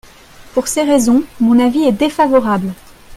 Pour ces raisons, mon avis est défavorable.